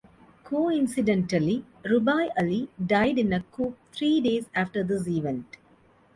Coincidentally, Rubai Ali died in a coup three days after this event.